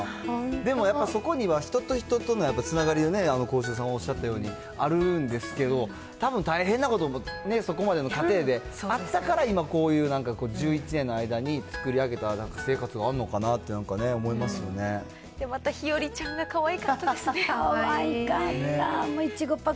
でもやっぱりそこには人と人とのやっぱつながりがね、幸四郎さんがおっしゃったように、あるんですけど、たぶん大変なことも、そこまでの過程であったから今、こういう、１１年の間に作り上げた生活があるのかなって、なんかまた日和ちゃんがかわいかっかわいかった。